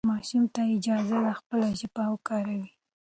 ماشوم ته اجازه ده خپله ژبه وکاروي.